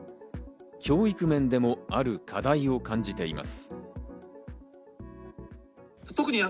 教育面でもある課題を感じています。